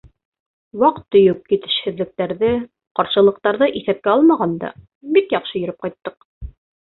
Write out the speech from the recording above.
— Ваҡ-төйөк етешһеҙлектәрҙе, ҡаршылыҡтарҙы иҫәпкә алмағанда, бик яҡшы йөрөп ҡайттыҡ.